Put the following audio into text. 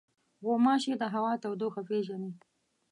غوماشې د هوا تودوخه پېژني.